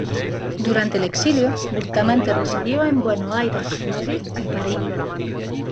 Durante el exilio, Bustamante residió en Buenos Aires, Madrid y París.